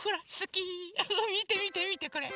みてみてみてこれ。